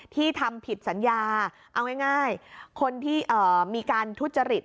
ทำผิดสัญญาเอาง่ายคนที่มีการทุจริต